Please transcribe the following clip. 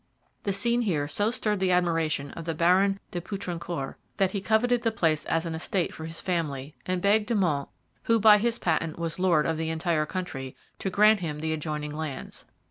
The scene here so stirred the admiration of the Baron de Poutrincourt that he coveted the place as an estate for his family, and begged De Monts, who by his patent was lord of the entire country, to grant him the adjoining lands.